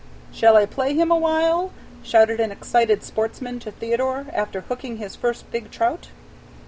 "Shall I play him awhile?" shouted an excited sportsman to Theodore, after hooking his first big trout.